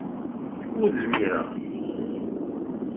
Ur zmireɣ.